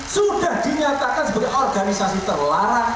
sudah dinyatakan sebagai organisasi terlarang